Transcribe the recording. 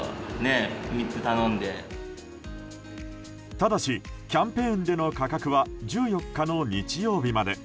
ただし、キャンペーンでの価格は１４日の日曜日まで。